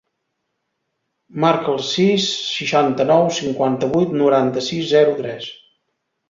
Marca el sis, seixanta-nou, cinquanta-vuit, noranta-sis, zero, tres.